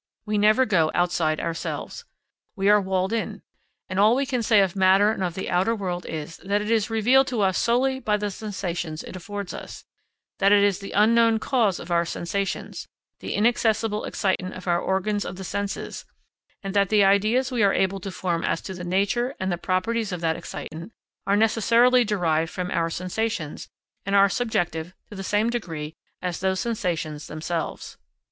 We never go outside ourselves. We are walled in. And all we can say of matter and of the outer world is, that it is revealed to us solely by the sensations it affords us, that it is the unknown cause of our sensations, the inaccessible excitant of our organs of the senses, and that the ideas we are able to form as to the nature and the properties of that excitant, are necessarily derived from our sensations, and are subjective to the same degree as those sensations themselves.